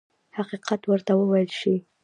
حقیقت ورته وویل شي.